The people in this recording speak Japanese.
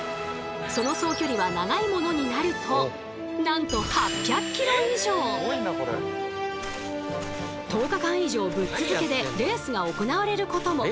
その総距離は長いものになるとなんと１０日間以上ぶっ続けでレースが行われることも。